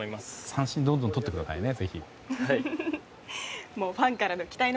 三振をどんどんとってくださいね。